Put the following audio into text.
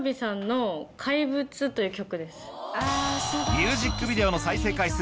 ミュージックビデオの再生回数